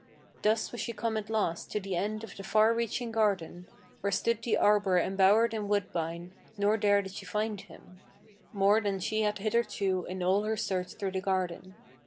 Thus was she come at last to the end of the far reaching garden, Where stood the arbor embowered in woodbine; nor there did she find him, More than she had hitherto in all her search through the garden.